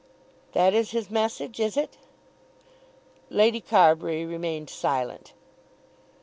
"That is his message; is it?" Lady Carbury remained silent.